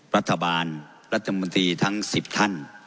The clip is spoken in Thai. รัฐบาลรัฐมนตรีทั้ง๑๐ท่าน